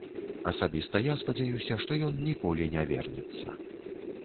Асабіста я спадзяюся, што ён ніколі не вернецца.